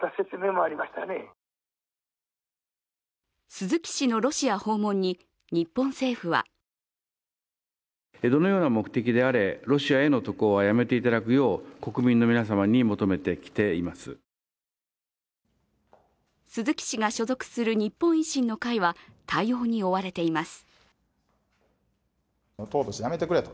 鈴木氏のロシア訪問に日本政府は鈴木氏が所属する日本維新の会は対応に追われています。